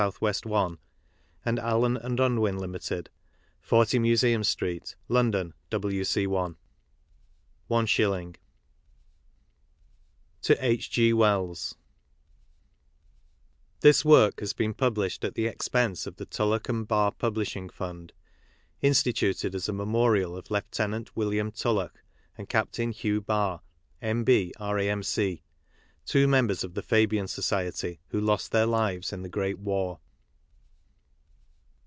W. 1 and ALLEN & UN WIN LIMITED 40, Musieum Street, London, W.C.I ONE SHILLING ^r0i^^. '^.^.^ TO H. G. WELLS. >y sal { L^^ This work has been published at the expense of the TuUoch and Barr Publishing Fund, instituted as a Memorial of Lieut. William Tulloch and Capt. Hugh Barr, M.B., R.A.M.C., two members of the Fabian Society who lost their lives in the Great War.